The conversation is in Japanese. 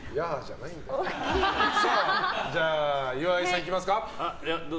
じゃあ、岩井さんいきますか。